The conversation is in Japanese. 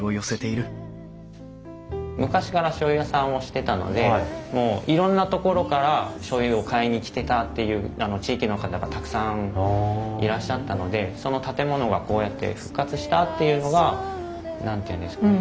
昔からしょうゆ屋さんをしてたのでもういろんな所からしょうゆを買いに来てたっていう地域の方がたくさんいらっしゃったのでその建物がこうやって復活したっていうのが何て言うんですかね